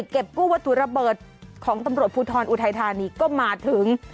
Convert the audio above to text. เก็บกู้วัตถุระเบิดของตำรวจภูทรอุทัยธานีก็มาถึง